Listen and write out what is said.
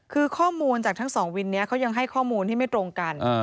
คือข้อมูลจากทั้งสองวินนี้เขายังให้ข้อมูลที่ไม่ตรงกัน